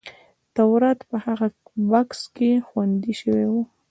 تورات په هغه بکس کې خوندي شوی و.